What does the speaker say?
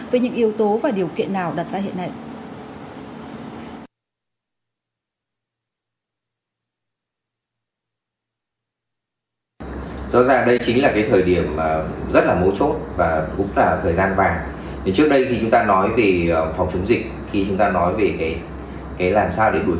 với những yếu tố và điều kiện nào đặt ra hiện nay